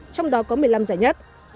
trong đó có một mươi năm giải nhất